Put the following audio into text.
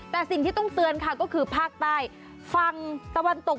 แต่สิ่งที่ต้องเตือนค่ะก็คือภาคใต้ฝั่งตะวันตก